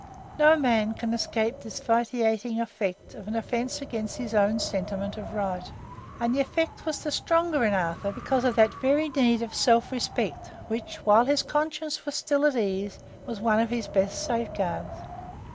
No man can escape this vitiating effect of an offence against his own sentiment of right, and the effect was the stronger in Arthur because of that very need of self respect which, while his conscience was still at ease, was one of his best safeguards.